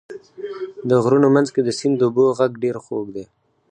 د غرونو منځ کې د سیند اوبو غږ ډېر خوږ دی.